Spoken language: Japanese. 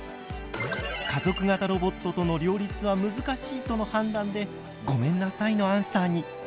家族型ロボットとの両立は難しいとの判断で「ごめんなさい」のアンサーに！